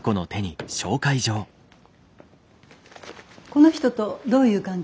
この人とどういう関係？